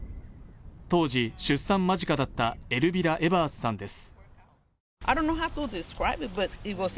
当時、出産間近だったエルビラ・エバースさんです。